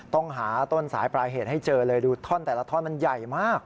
ต้องหาต้นสายปลายเหตุให้เจอเลยดูท่อนแต่ละท่อนมันใหญ่มาก